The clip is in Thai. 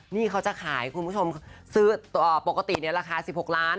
นี่เขาจะขายคุณผู้ชมซื้อปกติในราคา๑๖ล้าน